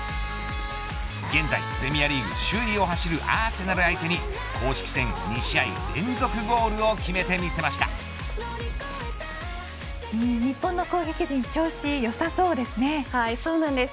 現在プレミアリーグ首位を走るアーセナル相手に公式戦２試合連続ゴールを日本の攻撃陣はいそうなんです